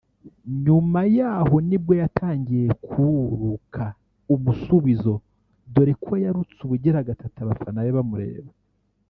nyuma yaho nibwo yatangiye kuruka umusubizo dore ko yarutse ubugira gatatu abafana be bamureba